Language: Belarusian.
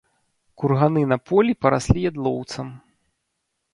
Курганы на полі параслі ядлоўцам.